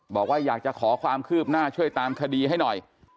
บอกว่าอยากจะขอความคืบหน้าช่วยตามคดีให้หน่อย